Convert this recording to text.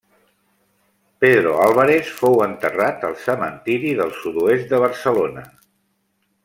Pedro Álvarez fou enterrat al cementiri del Sud-oest de Barcelona.